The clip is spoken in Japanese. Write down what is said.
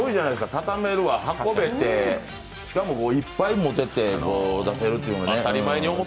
畳めるし、運べて、しかもいっぱい持てて出せるというね。